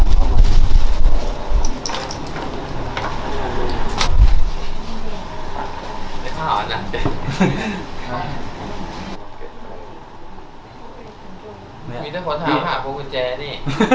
มีแต่คนถามหาพวกกุญแจนี่